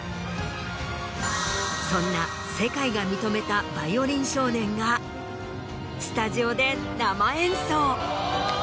そんな世界が認めたヴァイオリン少年がスタジオで生演奏。